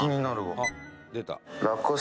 あっ出た。